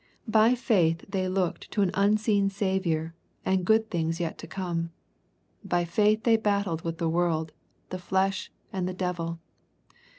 By faith they looked to an unseen Saviour, and good things yet to come. By faith they battled with the world, the flesh, and the devil.